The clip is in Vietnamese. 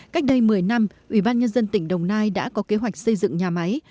cách đây một mươi năm ủy ban nhân dân tỉnh đồng nai đã có kế hoạch xây dựng nhà máy